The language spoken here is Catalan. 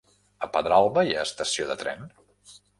A Pedralba hi ha estació de tren?